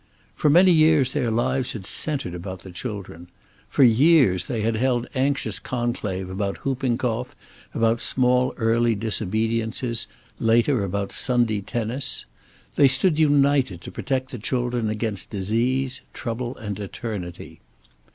For many years their lives had centered about the children. For years they had held anxious conclave about whooping cough, about small early disobediences, later about Sunday tennis. They stood united to protect the children against disease, trouble and eternity.